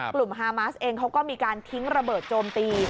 ฮามาสเองเขาก็มีการทิ้งระเบิดโจมตี